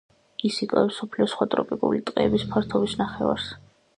ის იკავებს მსოფლიოს სხვა ტროპიკული ტყეების ფართობის ნახევარს.